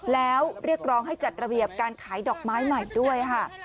แล้วเรียกร้องให้จัดระเบียบการขายดอกไม้ใหม่ด้วยค่ะ